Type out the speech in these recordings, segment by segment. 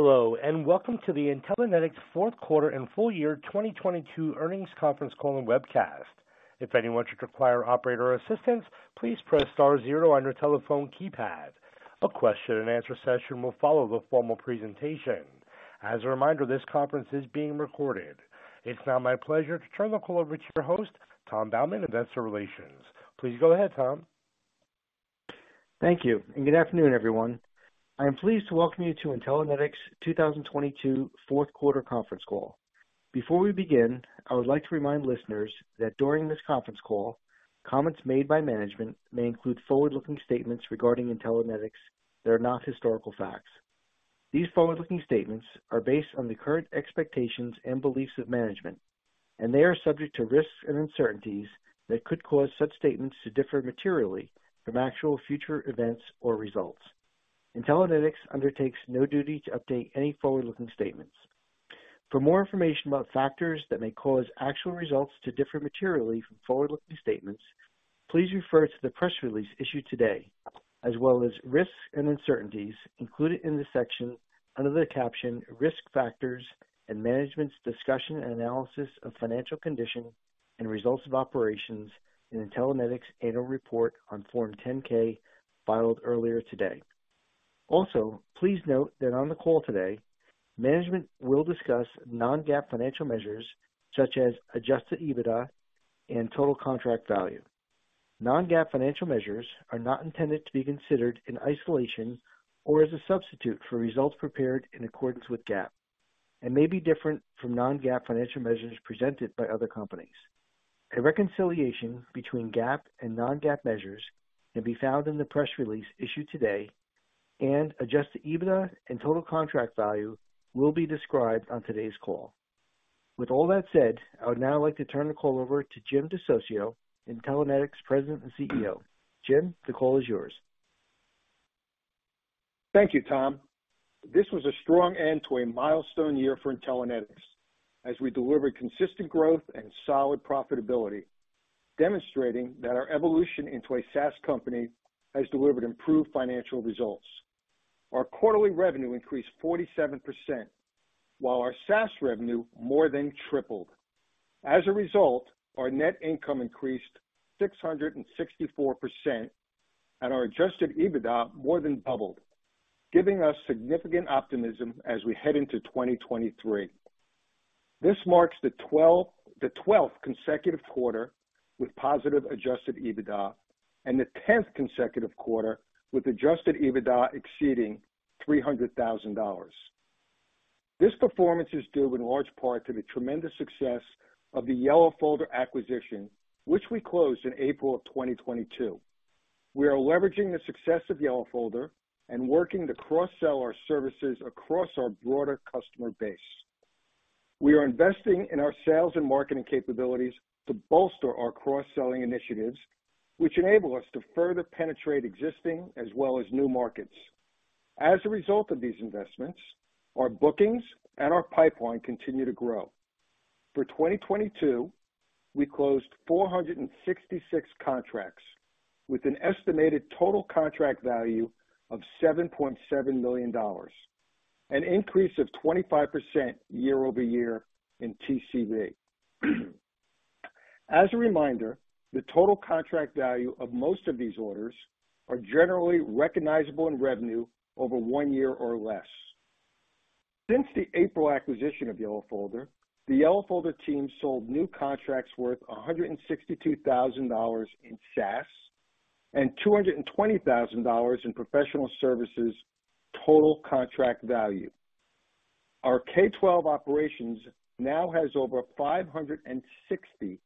Hello, and welcome to the Intellinetics fourth quarter and full year 2022 earnings conference call and webcast. If anyone should require operator assistance, please press star zero on your telephone keypad. A question-and-answer session will follow the formal presentation. As a reminder, this conference is being recorded. It's now my pleasure to turn the call over to your host, Tom Baumann, Investor Relations. Please go ahead, Tom. Thank you. Good afternoon, everyone. I am pleased to welcome you to Intellinetics 2022 fourth quarter conference call. Before we begin, I would like to remind listeners that during this conference call, comments made by management may include forward-looking statements regarding Intellinetics that are not historical facts. These forward-looking statements are based on the current expectations and beliefs of management, and they are subject to risks and uncertainties that could cause such statements to differ materially from actual future events or results. Intellinetics undertakes no duty to update any forward-looking statements. For more information about factors that may cause actual results to differ materially from forward-looking statements, please refer to the press release issued today, as well as risks and uncertainties included in the section under the caption Risk Factors and Management's Discussion and Analysis of Financial Condition and Results of Operations in Intellinetics annual report on Form 10-K filed earlier today. Please note that on the call today, management will discuss non-GAAP financial measures such as adjusted EBITDA and Total Contract Value. Non-GAAP financial measures are not intended to be considered in isolation or as a substitute for results prepared in accordance with GAAP and may be different from non-GAAP financial measures presented by other companies. A reconciliation between GAAP and non-GAAP measures can be found in the press release issued today, and adjusted EBITDA and Total Contract Value will be described on today's call. With all that said, I would now like to turn the call over to Jim DeSocio, Intellinetics President and CEO. Jim, the call is yours. Thank you, Tom. This was a strong end to a milestone year for Intellinetics as we delivered consistent growth and solid profitability, demonstrating that our evolution into a SaaS company has delivered improved financial results. Our quarterly revenue increased 47%, while our SaaS revenue more than tripled. Our net income increased 664%, and our adjusted EBITDA more than doubled, giving us significant optimism as we head into 2023. This marks the 12th consecutive quarter with positive adjusted EBITDA and the 10th consecutive quarter with adjusted EBITDA exceeding $300,000. This performance is due in large part to the tremendous success of the YellowFolder acquisition, which we closed in April of 2022. We are leveraging the success of YellowFolder and working to cross-sell our services across our broader customer base. We are investing in our sales and marketing capabilities to bolster our cross-selling initiatives, which enable us to further penetrate existing as well as new markets. As a result of these investments, our bookings and our pipeline continue to grow. For 2022, we closed 466 contracts with an estimated Total Contract Value of $7.7 million, an increase of 25% year-over-year in TCV. As a reminder, the Total Contract Value of most of these orders are generally recognizable in revenue over one year or less. Since the April acquisition of YellowFolder, the YellowFolder team sold new contracts worth $162,000 in SaaS and $220,000 in professional services Total Contract Value. Our K-12 operations now has over 560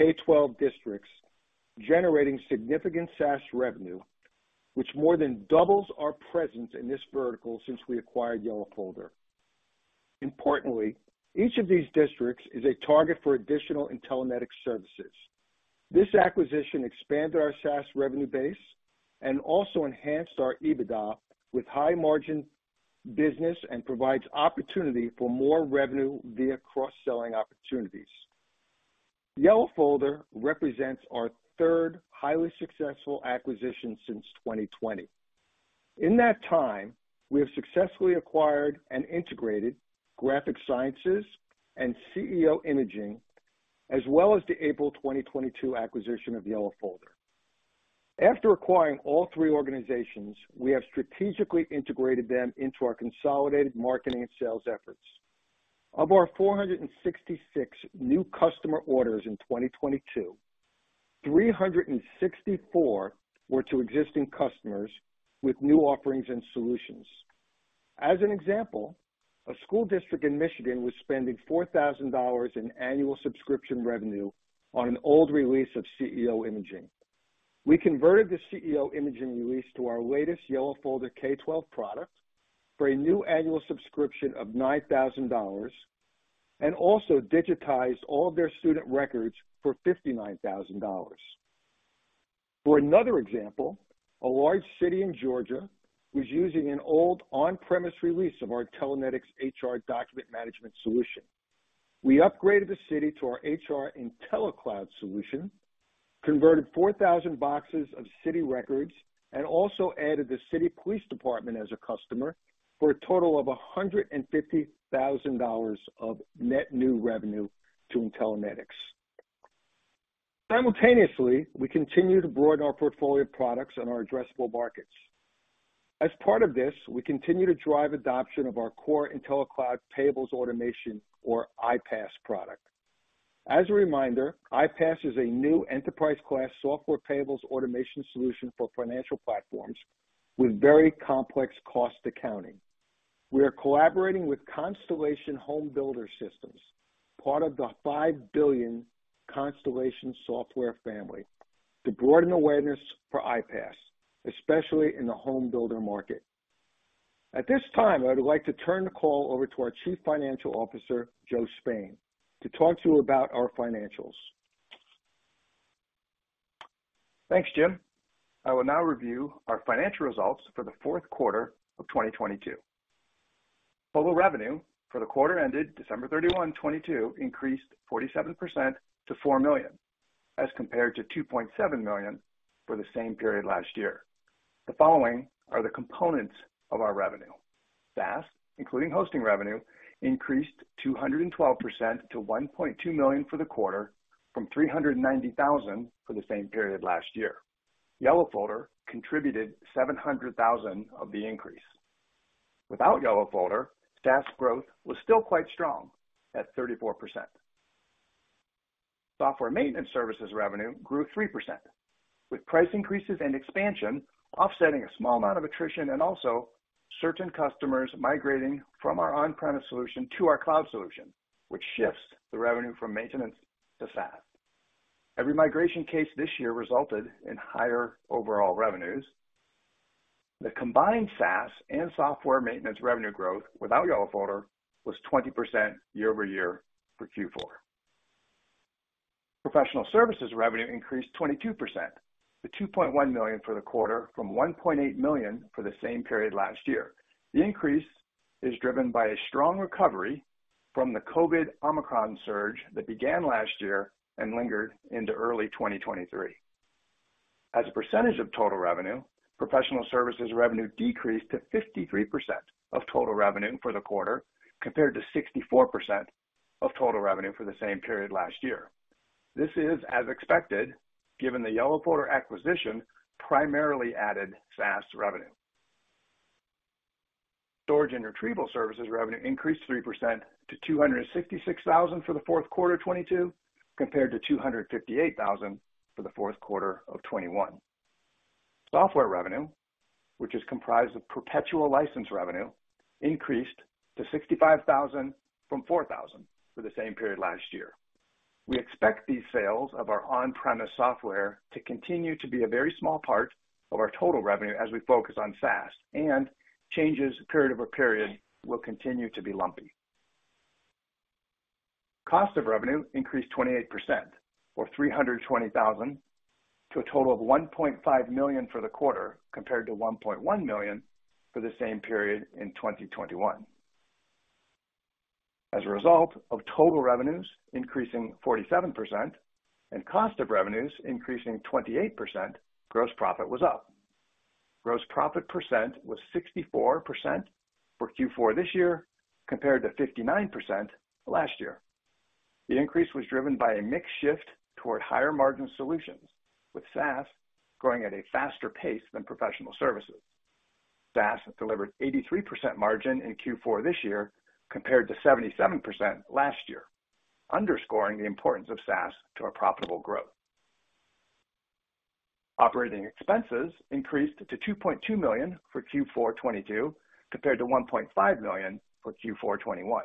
K-12 districts generating significant SaaS revenue, which more than doubles our presence in this vertical since we YellowFolder. importantly, each of these districts is a target for additional Intellinetics services. This acquisition expanded our SaaS revenue base and also enhanced our EBITDA with high margin business and provides opportunity for more revenue via cross-selling YellowFolder represents our third highly successful acquisition since 2020. In that time, we have successfully acquired and integrated Graphic Sciences and CEO Imaging, as well as the April 2022 acquisition YellowFolder. After acquiring all three organizations, we have strategically integrated them into our consolidated marketing and sales efforts. Of our 466 new customer orders in 2022, 364 were to existing customers with new offerings and solutions. As an example, a school district in Michigan was spending $4,000 in annual subscription revenue on an old release of CEO Imaging. We converted the CEO Imaging release to our latest YellowFolder K-12 product for a new annual subscription of $9,000 and also digitized all of their student records for $59,000. For another example, a large city in Georgia was using an old on-premise release of our Intellinetics HR document management solution. We upgraded the city to our HR IntelliCloud solution, converted 4,000 boxes of city records, and also added the city police department as a customer for a total of $150,000 of net new revenue to Intellinetics. Simultaneously, we continue to broaden our portfolio of products and our addressable markets. As part of this, we continue to drive adoption of our core IntelliCloud Payables Automation or IPAS product. As a reminder, IPAS is a new enterprise-class software payables automation solution for financial platforms with very complex cost accounting. We are collaborating with Constellation HomeBuilder Systems, part of the $5 billion Constellation Software family, to broaden awareness for IPAS, especially in the home builder market. At this time, I would like to turn the call over to our Chief Financial Officer, Joe Spain, to talk to you about our financials. Thanks, Jim. I will now review our financial results for the fourth quarter of 2022. Total revenue for the quarter ended December 31, 2022 increased 47% to $4 million, as compared to $2.7 million for the same period last year. The following are the components of our revenue. SaaS, including hosting revenue, increased 212% to $1.2 million for the quarter, from $390,000 for the same period last year. YellowFolder contributed $700,000 of the increase. Without YellowFolder, SaaS growth was still quite strong at 34%. Software maintenance services revenue grew 3%, with price increases and expansion offsetting a small amount of attrition and also certain customers migrating from our on-premise solution to our cloud solution, which shifts the revenue from maintenance to SaaS. Every migration case this year resulted in higher overall revenues. The combined SaaS and software maintenance revenue growth without YellowFolder was 20% year-over-year for Q4. Professional services revenue increased 22% to $2.1 million for the quarter from $1.8 million for the same period last year. The increase is driven by a strong recovery from the COVID Omicron surge that began last year and lingered into early 2023. As a percentage of total revenue, professional services revenue decreased to 53% of total revenue for the quarter, compared to 64% of total revenue for the same period last year. This is as expected, given the YellowFolder acquisition primarily added SaaS revenue. Storage and retrieval services revenue increased 3% to $266,000 for the fourth quarter 2022, compared to $258,000 for the fourth quarter of 2021. Software revenue, which is comprised of perpetual license revenue, increased to $65,000 from $4,000 for the same period last year. We expect these sales of our on-premise software to continue to be a very small part of our total revenue as we focus on SaaS, and changes period-over-period will continue to be lumpy. Cost of revenue increased 28% or $320,000 to a total of $1.5 million for the quarter, compared to $1.1 million for the same period in 2021. As a result of total revenues increasing 47% and cost of revenues increasing 28%, gross profit was up. Gross profit 64% for Q4 this year, compared to 59% last year. The increase was driven by a mix shift toward higher-margin solutions, with SaaS growing at a faster pace than professional services. SaaS delivered 83% margin in Q4 this year, compared to 77% last year, underscoring the importance of SaaS to our profitable growth. Operating expenses increased to $2.2 million for Q4 2022, compared to $1.5 million for Q4 2021.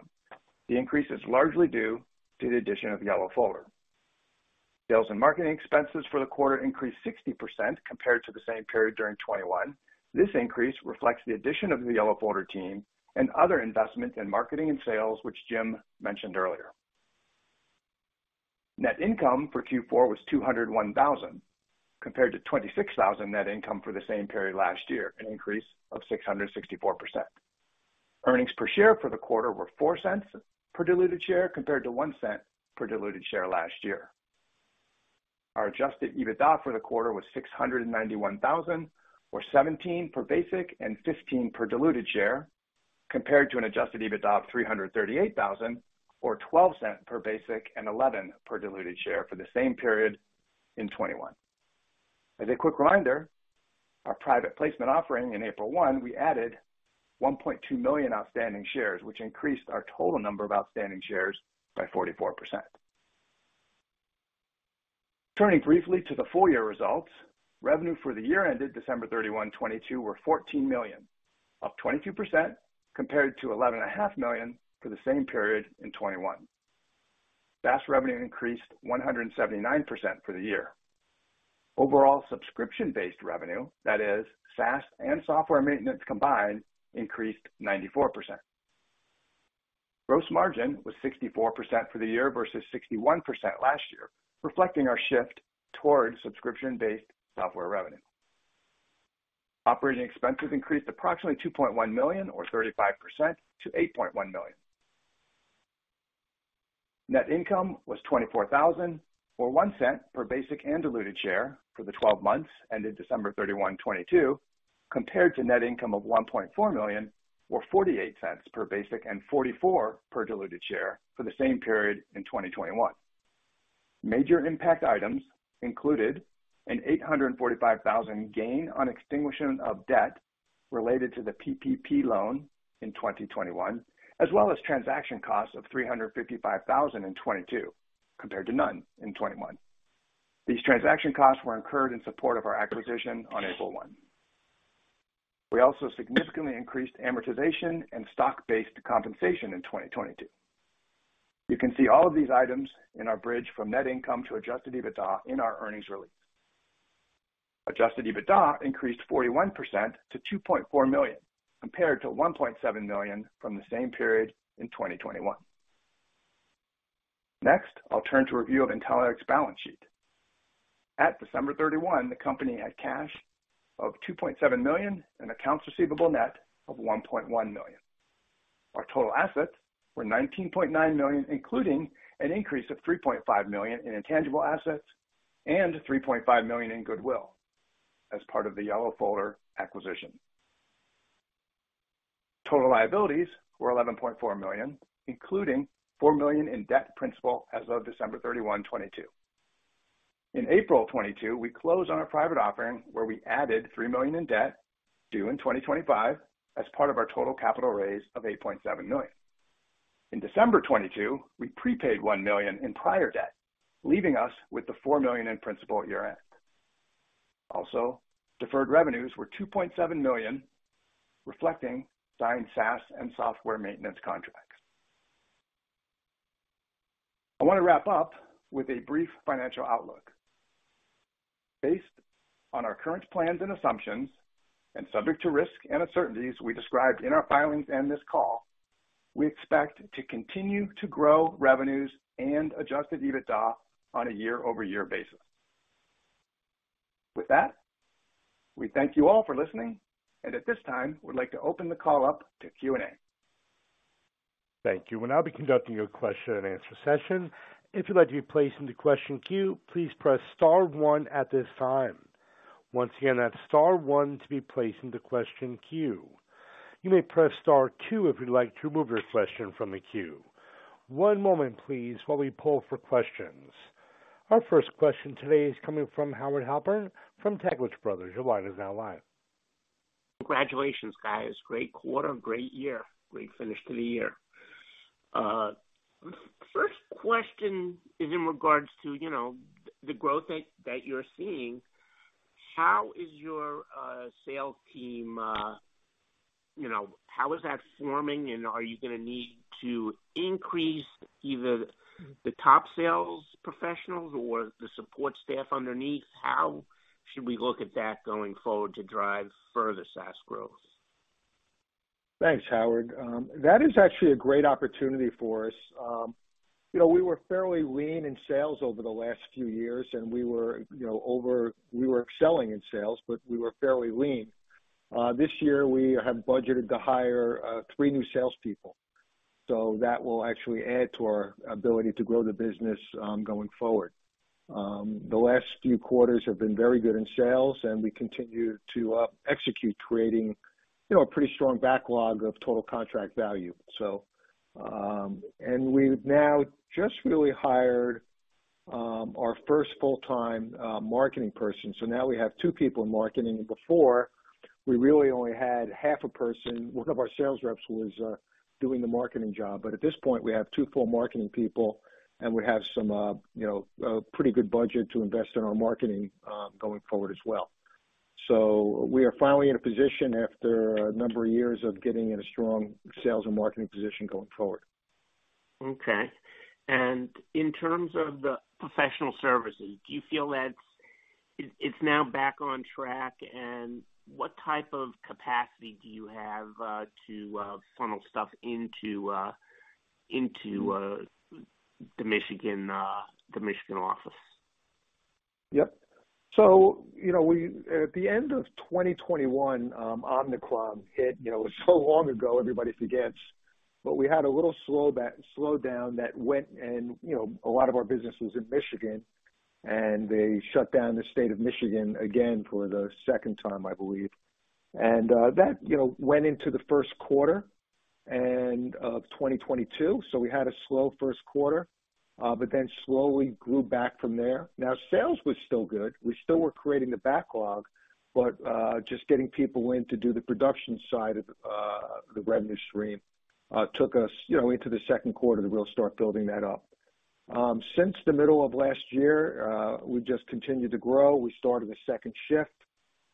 The increase is largely due to the addition of YellowFolder. Sales and marketing expenses for the quarter increased 60% compared to the same period during 2021. This increase reflects the addition of the YellowFolder team and other investments in marketing and sales, which Jim mentioned earlier. Net income for Q4 was $201,000, compared to $26,000 net income for the same period last year, an increase of 664%. Earnings per share for the quarter were $0.04 per diluted share, compared to $0.01 per diluted share last year. Our adjusted EBITDA for the quarter was $691,000, or $0.17 per basic and $0.15 per diluted share, compared to an adjusted EBITDA of $338,000 or $0.12 per basic and $0.11 per diluted share for the same period in 2021. As a quick reminder, our private placement offering in April 1, we added 1.2 million outstanding shares, which increased our total number of outstanding shares by 44%. Turning briefly to the full year results, revenue for the year ended December 31, 2022 were $14 million, up 22% compared to $11.5 million for the same period in 2021. SaaS revenue increased 179% for the year. Overall subscription-based revenue, that is SaaS and software maintenance combined, increased 94%. Gross margin was 64% for the year versus 61% last year, reflecting our shift towards subscription-based software revenue. Operating expenses increased approximately $2.1 million or 35% to $8.1 million. Net income was $24,000 or $0.01 per basic and diluted share for the 12 months ended December 31, 2022, compared to net income of $1.4 million or $0.48 per basic and $0.44 per diluted share for the same period in 2021. Major impact items included an $845,000 gain on extinguishment of debt related to the PPP loan in 2021, as well as transaction costs of $355,000 in 2022 compared to none in 2021. These transaction costs were incurred in support of our acquisition on April 1. We also significantly increased amortization and stock-based compensation in 2022. You can see all of these items in our bridge from net income to adjusted EBITDA in our earnings release. Adjusted EBITDA increased 41% to $2.4 million, compared to $1.7 million from the same period in 2021. Next, I'll turn to a review of Intellinetics balance sheet. At December 31, the company had cash of $2.7 million and accounts receivable net of $1.1 million. Our total assets were $19.9 million, including an increase of $3.5 million in intangible assets and $3.5 million in goodwill as part of the YellowFolder acquisition. Total liabilities were $11.4 million, including $4 million in debt principal as of December 31, 2022. In April of 2022, we closed on a private offering where we added $3 million in debt due in 2025 as part of our total capital raise of $8.7 million. In December 2022, we prepaid $1 million in prior debt, leaving us with the $4 million in principal at year-end. Deferred revenues were $2.7 million, reflecting signed SaaS and software maintenance contracts. I want to wrap up with a brief financial outlook. Based on our current plans and assumptions, and subject to risks and uncertainties we described in our filings and this call, we expect to continue to grow revenues and adjusted EBITDA on a year-over-year basis. With that, we thank you all for listening, and at this time, we'd like to open the call up to Q&A. Thank you. We'll now be conducting your question and answer session. If you'd like to be placed into question queue, please press star one at this time. Once again, that's star one to be placed into question queue. You may press star two if you'd like to remove your question from the queue. One moment please while we pull for questions. Our first question today is coming from Howard Halpern from Taglich Brothers. Your line is now live. Congratulations, guys. Great quarter, great year. Great finish to the year. First question is in regards to, you know, the growth that you're seeing. How is your sales team, you know, how is that forming, and are you gonna need to increase either the top sales professionals or the support staff underneath? How should we look at that going forward to drive further SaaS growth? Thanks, Howard. That is actually a great opportunity for us. You know, we were fairly lean in sales over the last few years, and we were, you know, we were excelling in sales, but we were fairly lean. This year, we have budgeted to hire, three new salespeople. That will actually add to our ability to grow the business, going forward. The last few quarters have been very good in sales, and we continue to execute, creating, you know, a pretty strong backlog of Total Contract Value. And we've now just really hired, our first full-time, marketing person, so now we have two people in marketing. Before we really only had half a person. One of our sales reps was doing the marketing job. At this point, we have two full marketing people, and we have some, you know, a pretty good budget to invest in our marketing, going forward as well. We are finally in a position, after a number of years, of getting in a strong sales and marketing position going forward. Okay. In terms of the professional services, do you feel that's it's now back on track, and what type of capacity do you have to funnel stuff into the Michigan office? Yep. You know, at the end of 2021, Omicron hit. You know, it was so long ago, everybody forgets. We had a little slow slowdown that went and, you know, a lot of our business was in Michigan, and they shut down the state of Michigan again for the second time, I believe. That, you know, went into the first quarter of 2022. We had a slow first quarter, slowly grew back from there. Sales was still good. We still were creating the backlog, just getting people in to do the production side of the revenue stream, took us, you know, into the second quarter to really start building that up. Since the middle of last year, we've just continued to grow. We started a second shift.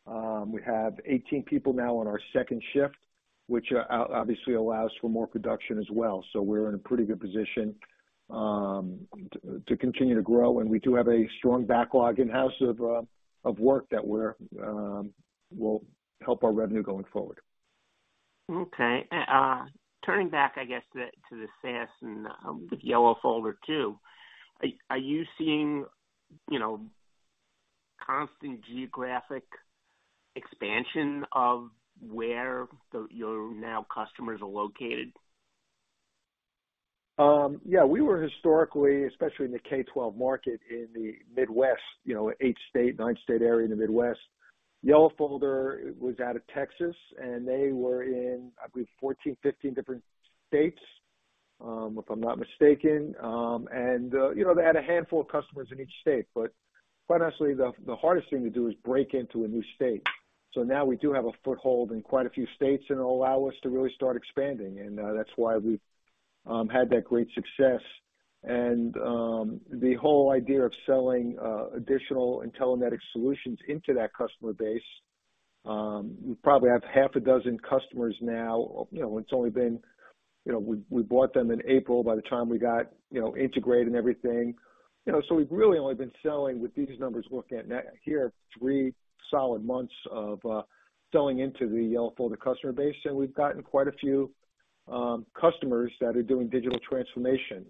We have 18 people now on our second shift, which obviously allows for more production as well. We're in a pretty good position to continue to grow. We do have a strong backlog in-house of work that we're will help our revenue going forward. Okay. turning back, I guess, to the SaaS and, with YellowFolder too. Are you seeing, you know, constant geographic expansion of where your now customers are located? Yeah, we were historically, especially in the K-12 market in the Midwest, you know, eight state, nine state area in the Midwest. YellowFolder was out of Texas, and they were in, I believe, 14, 15 different states, if I'm not mistaken. You know, they had a handful of customers in each state, but financially the hardest thing to do is break into a new state. Now we do have a foothold in quite a few states, and it'll allow us to really start expanding. That's why we've had that great success. The whole idea of selling additional Intellinetics solutions into that customer base, we probably have half a dozen customers now. You know, it's only been. You know, we bought them in April by the time we got, you know, integrated and everything. You know, we've really only been selling with these numbers looking at here three solid months of selling into the YellowFolder customer base. We've gotten quite a few customers that are doing digital transformation.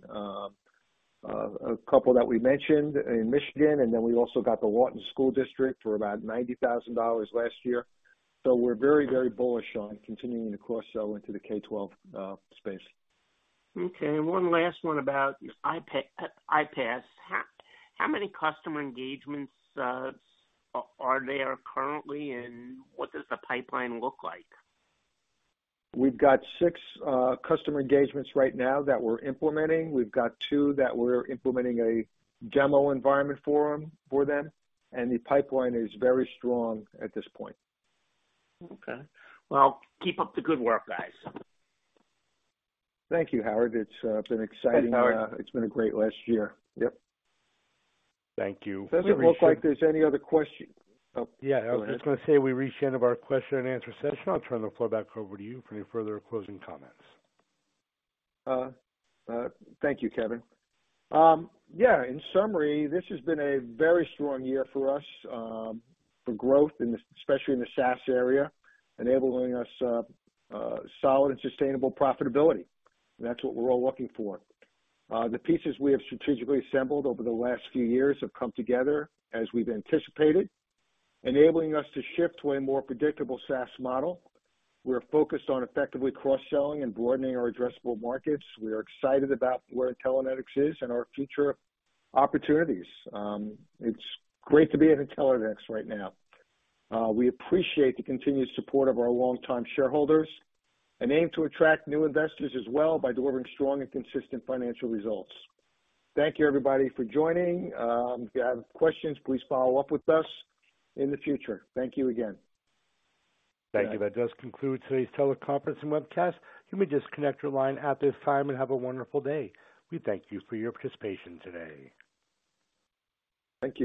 A couple that we mentioned in Michigan, we also got the Lawton Public Schools for about $90,000 last year. We're very, very bullish on continuing to cross-sell into the K-12 space. Okay, one last one about IPAS. How many customer engagements are there currently, and what does the pipeline look like? We've got six customer engagements right now that we're implementing. We've got two that we're implementing a demo environment for them. The pipeline is very strong at this point. Okay. Well, keep up the good work, guys. Thank you, Howard. It's been exciting. Thanks, Howard. It's been a great last year. Yep. Thank you. Does it look like there's any other? Yeah, I was just gonna say we've reached the end of our question and answer session. I'll turn the floor back over to you for any further closing comments. Thank you, Kevin. Yeah, in summary, this has been a very strong year for us, for growth especially in the SaaS area, enabling us solid and sustainable profitability. That's what we're all looking for. The pieces we have strategically assembled over the last few years have come together as we've anticipated, enabling us to shift to a more predictable SaaS model. We're focused on effectively cross-selling and broadening our addressable markets. We are excited about where Intellinetics is and our future opportunities. It's great to be at Intellinetics right now. We appreciate the continued support of our longtime shareholders and aim to attract new investors as well by delivering strong and consistent financial results. Thank you, everybody, for joining. If you have questions, please follow up with us in the future. Thank you again. Thank you. That does conclude today's teleconference and webcast. You may disconnect your line at this time and have a wonderful day. We thank you for your participation today. Thank you.